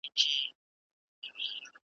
خدای مي مین کړی پر غونچه د ارغوان یمه .